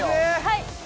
はい！